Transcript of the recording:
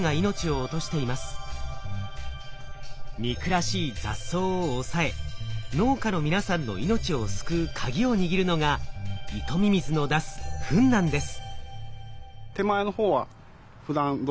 憎らしい雑草を抑え農家の皆さんの命を救うカギを握るのがイトミミズの出すフンなんです。